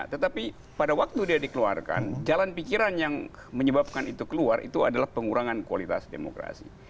tetapi pada waktu dia dikeluarkan jalan pikiran yang menyebabkan itu keluar itu adalah pengurangan kualitas demokrasi